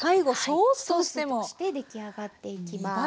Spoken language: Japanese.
ソースとして出来上がっていきます。